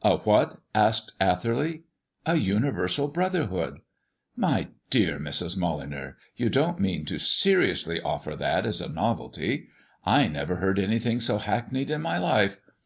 "A what?" asked Atherley. "A universal brotherhood." "My dear Mrs. Molyneux, you don't mean to seriously offer that as a novelty. I never heard anything so hackneyed in my life.